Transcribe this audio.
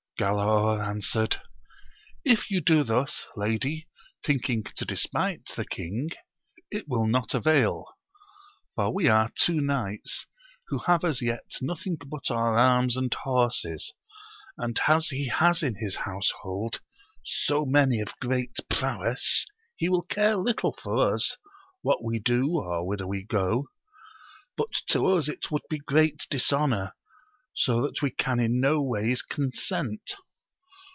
Galaor answered, If you do thus, lady, thinking to despite the king, it will not avail ; for we are two knights, who have as yet nothing but our arms and horses, and as he has in liis household so many of great prowess, he wiU care little for us, what we do, or whither we go ; but t<5 us it would be great dishonour, so that we can in no ways consent.